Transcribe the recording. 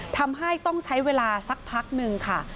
ทำให้ต้องใช้เวลาสักพักนึงค่ะ